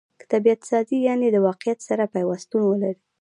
طبعت سازي؛ یعني د واقعیت سره پیوستون ولري.